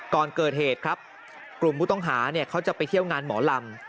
ก่อนเกิดเหตุครับกลุ่มผู้ต้องหาเขาจะไปเที่ยวงานหมอลำ